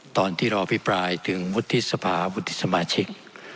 ตอนที่รอพิปรายถึงวุฒิสภาวุฒิสมาชิก